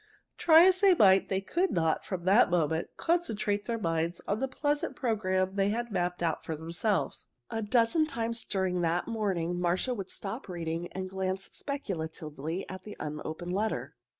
Try as they might, they could not, from that moment, concentrate their minds on the pleasant program they had mapped out for themselves. A dozen times during the morning Marcia would stop reading and glance speculatively at the unopened letter.